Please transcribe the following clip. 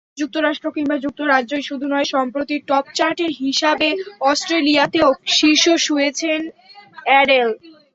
যুক্তরাষ্ট্র কিংবা যুক্তরাজ্যই শুধু নয়, সম্প্রতি টপচার্টের হিসাবে অস্ট্রেলিয়াতেও শীর্ষ ছুঁয়েছেন অ্যাডেল।